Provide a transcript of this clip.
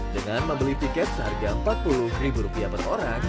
dengan membeli piket seharga empat puluh rupiah per orang